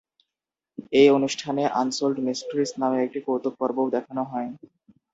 এই অনুষ্ঠানে "unsold mistress" নামে একটি কৌতুক পর্বও দেখানো হয়।